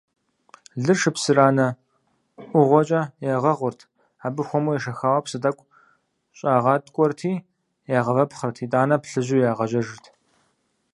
Лыр шыпсыранэ ӏугъуэкӏэ ягъэгъурт, ар хуэму ешэхауэ псы тӏэкӏу щӏагъаткӏуэрти ягъэвэпхъырт, итӏанэ плъыжьу ягъэжьэжырт.